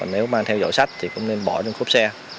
nếu mang theo dõi sách thì cũng nên bỏ trong khúc xe